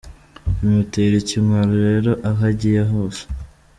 Bimutera ikimwaro rero aho agiye hose.